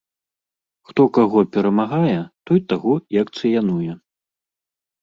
Хто каго перамагае, той таго і акцыянуе.